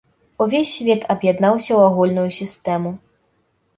Увесь свет аб'яднаўся ў агульную сістэму.